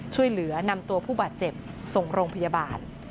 ช่วยเหลือนำตัวผู้บาดเจ็บส่งโรงพยาบาล